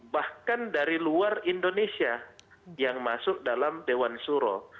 bahkan dari luar indonesia yang masuk dalam dewan suro